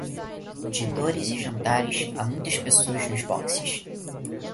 De dores e jantares, há muitas pessoas nos boxes.